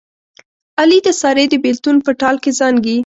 علي د سارې د بلېتون په ټال کې زانګي.